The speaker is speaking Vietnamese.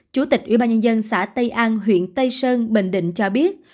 chủ tịch ủy ban nhân dân xã tây an huyện tây sơn bình định cho biết